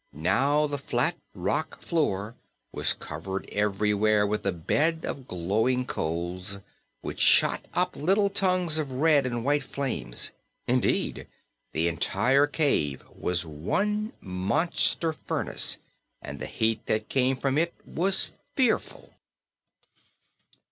Now the flat floor of rock was covered everywhere with a bed of glowing coals, which shot up little tongues of red and white flames. Indeed, the entire cave was one monster furnace and the heat that came from it was fearful.